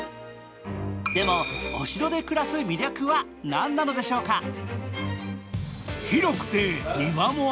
でも、お城で暮らす魅力は何なのでしょうか。